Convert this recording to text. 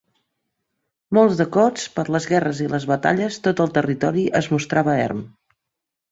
Molts de cops, per les guerres i les batalles, tot el territori es mostrava erm.